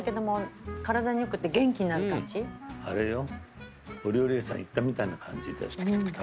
あれよ。